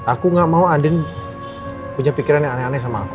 aku gak mau adin punya pikiran yang aneh aneh sama aku